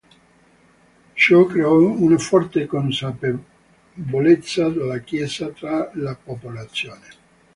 Ciò creò una forte consapevolezza della Chiesa tra la popolazione.